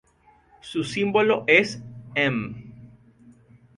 Su símbolo es Em.